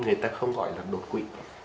người ta không gọi là đột quỵ